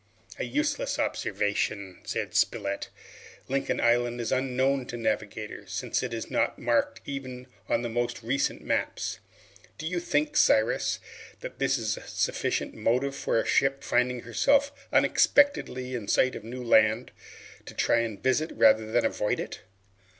"A useless observation," said Spilett. "Lincoln Island is unknown to navigators, since it is not marked even on the most recent maps. Do you think, Cyrus, that that is a sufficient motive for a ship, finding herself unexpectedly in sight of new land, to try and visit rather than avoid it?"